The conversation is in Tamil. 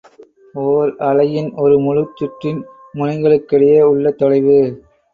ஒர் அலையின் ஒரு முழுச் சுற்றின் முனைகளுக்கிடையே உள்ள தொலைவு.